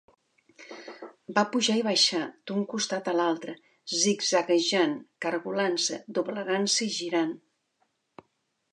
Va pujar i baixar, d'un costat a l'altre, zigzaguejant, cargolant-se, doblegant-se i girant.